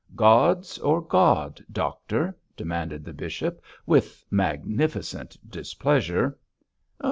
'Gods or God, doctor?' demanded the bishop, with magnificent displeasure.